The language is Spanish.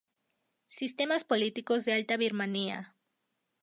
Sistemas políticos de Alta Birmania